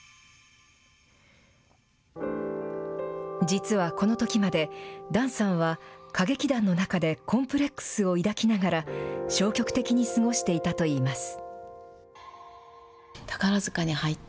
実はこのときまで檀さんは歌劇団の中でコンプレックスを抱きながら、消極的に過ごしていたといいます。